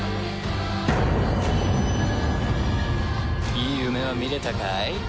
いい夢は見れたかい？